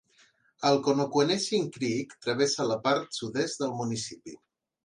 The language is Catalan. El Connoquenessing Creek travessa la part sud-est del municipi.